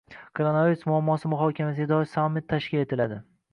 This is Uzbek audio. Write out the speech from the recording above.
Koronavirus muammosi muhokamasiga doir sammit tashkil etilading